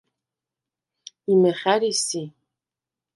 იმე ხა̈რი სი?